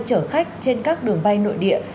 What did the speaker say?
chở khách trên các đường bay nội địa